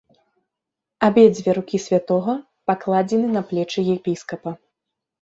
Абедзве рукі святога пакладзены на плечы епіскапа.